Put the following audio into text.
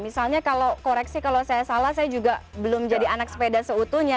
misalnya kalau koreksi kalau saya salah saya juga belum jadi anak sepeda seutuhnya